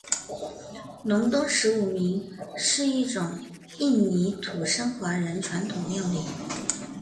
隆东十五暝是一种印尼土生华人传统料理。